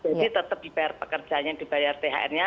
jadi tetap dibayar pekerjaan yang dibayar phr nya